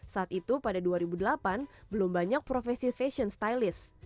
saat itu pada dua ribu delapan belum banyak profesi fashion stylist